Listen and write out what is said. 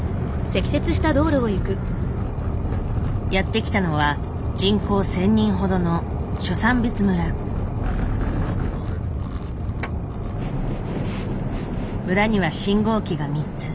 やって来たのは人口１，０００人ほどの村には信号機が３つ。